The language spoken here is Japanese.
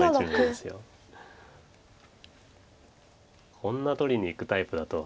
こんな取りにいくタイプだとは。